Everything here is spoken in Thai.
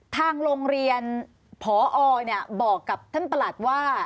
ทางโรงเรียนพอบอกกับท่านประหลัดว่า